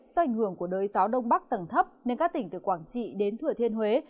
do ảnh hưởng của đới gió đông bắc tầng thấp nên các tỉnh từ quảng trị đến thừa thiên huế